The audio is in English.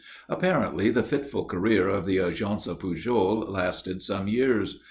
Apparently the fitful career of the Agence Pujol lasted some years.